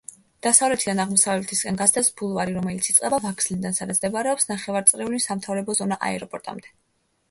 დასავლეთიდან აღმოსავლეთისკენ გასდევს ბულვარი, რომელიც იწყება ვაგზლიდან, სადაც მდებარეობს ნახევარწრიული სამთავრობო ზონა, აეროპორტამდე.